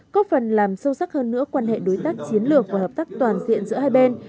có phần làm sâu sắc hơn nữa quan hệ đối tác chiến lược và hợp tác toàn diện giữa hai bên